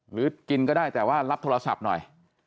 หรือกินก็ได้แต่ว่ารับโทรศัพท์หน่อย